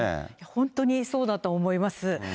本当にそうだと思います。